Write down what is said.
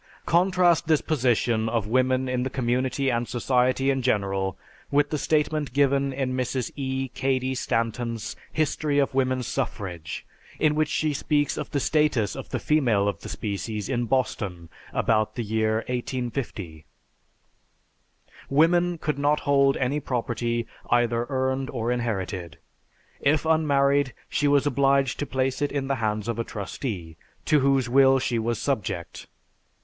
Contrast this position of woman in the community and society in general with the statement given in Mrs. E. Cady Stanton's "History of Woman's Suffrage," in which she speaks of the status of the female of the species in Boston about the year 1850. "Women could not hold any property, either earned or inherited. If unmarried, she was obliged to place it in the hands of a trustee, to whose will she was subject.